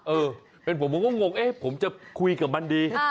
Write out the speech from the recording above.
เออเป็นผมผมก็งงเอ๊ะผมจะคุยกับมันดี